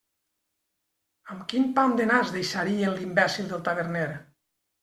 Amb quin pam de nas deixarien l'imbècil del taverner!